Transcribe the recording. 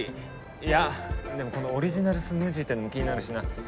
いやでもこのオリジナルスムージーってのも気になるしな。